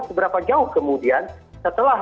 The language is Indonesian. seberapa jauh kemudian setelah